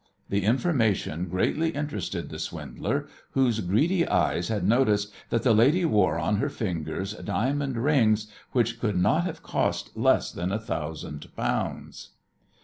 The information greatly interested the swindler, whose greedy eyes had noticed that the lady wore on her fingers diamond rings which could not have cost less than a thousand pounds.